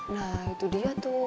nah itu dia tuh